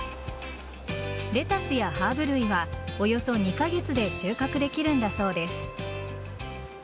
レタスやハーブ類はおよそ２カ月で収穫できるんだそうです。